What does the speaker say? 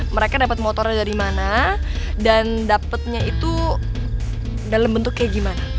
mereka dapat motornya dari mana dan dapatnya itu dalam bentuk kayak gimana